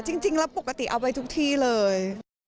จริงแล้วปกติเอาไปทุกที่เลย